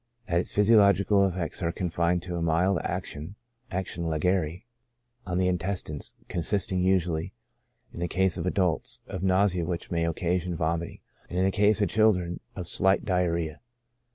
That its physiological effects are confined to a mild action (action legere) on the intestines, consisting usually, in the case of adults, of nausea which may occasion vomiting ; and in the case of children, of slight diarrhoea.